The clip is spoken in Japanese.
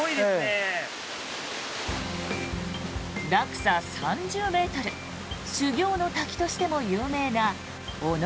落差３０ｍ修行の滝としても有名な尾ノ